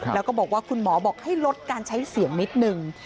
แล้วก็บอกว่าคุณหมอบอกให้ลดการใช้เสียงนิดนึง